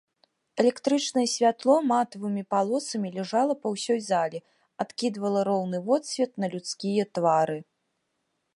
Электрычнае святло матавымі палосамі ляжала па ўсёй зале, адкідвала роўны водсвет на людскія твары.